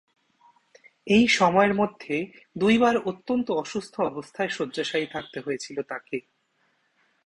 এই সময়ের মধ্যে দুইবার অত্যন্ত অসুস্থ অবস্থায় শয্যাশায়ী থাকতে হয়েছিল তাকে।